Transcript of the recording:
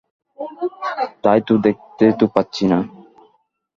তাই তো, দেখতে তো পাচ্ছিনে!